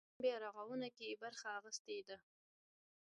د وطن په بیارغاونه کې یې برخه اخیستې ده.